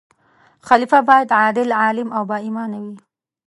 خلیفه باید عادل، عالم او با ایمان وي.